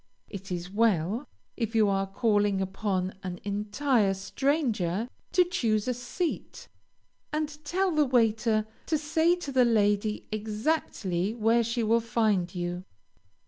It is well, if you are calling upon an entire stranger, to choose a seat, and tell the waiter to say to the lady exactly where she will find you.